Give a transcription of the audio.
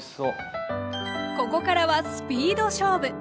ここからはスピード勝負。